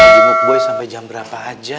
lagi ngobrol sampai jam berapa aja